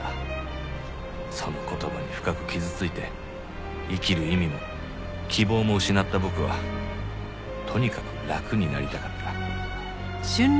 その言葉に深く傷ついて生きる意味も希望も失った僕はとにかく楽になりたかった。